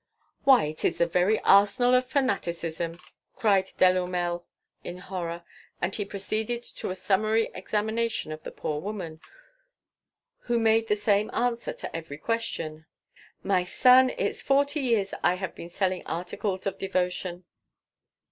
"Why, it is the very arsenal of fanaticism!" cried Delourmel in horror, and he proceeded to a summary examination of the poor woman, who made the same answer to every question: "My son, it's forty years I have been selling articles of devotion."